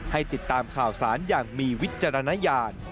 ให้ติดตามข่าวสารอย่างมีวิจารณญาณ